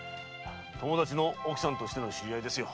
友達の奥さんとしての知り合いですよ。